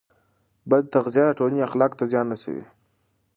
بد تغذیه د ټولنې اخلاقو ته زیان رسوي.